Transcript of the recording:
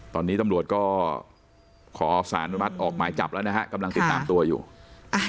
ตอนนี้ตำรวจก็ขอสารอนุมัติออกหมายจับแล้วนะฮะกำลังติดตามตัวอยู่อ่า